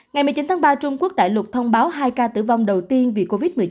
ngày một mươi chín tháng ba trung quốc đại lục thông báo hai ca tử vong đầu tiên vì covid một mươi chín